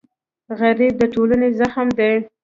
غریب د ټولنې زخم دی